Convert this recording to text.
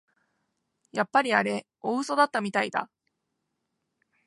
やっぱりあれ大うそだったみたいだ